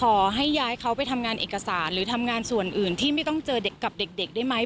ขอให้ย้ายเขาไปทำงานเอกสารหรือทำงานส่วนอื่นที่ไม่ต้องเจอเด็กกับเด็กได้ไหม